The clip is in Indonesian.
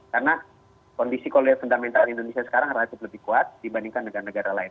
karena kondisi kondisi fundamental indonesia sekarang relatif lebih kuat dibandingkan negara negara lain